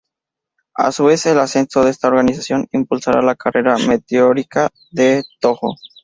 A su vez, el ascenso de esta organización impulsará la carrera meteórica de Tōjō.